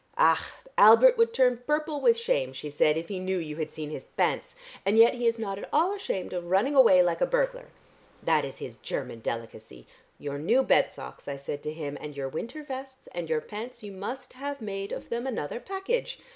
"Ach! Albert would turn purple with shame," she said, "if he knew you had seen his pants, and yet he is not at all ashamed of running away like a burglar. That is his Cherman delicacy. 'Your new bed socks,' I said to him, 'and your winter vests and your pants you must have made of them another package.